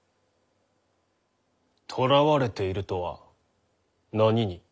とらわれているとは何に？